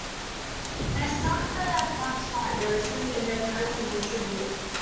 They stuck the plucked white roses in their coats as a tribute.